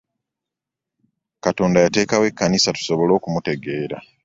Katonda yateekawo ekkanisa tusobole okumutegeera.